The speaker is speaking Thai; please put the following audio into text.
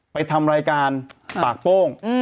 ไปทำรายการปากโป้ง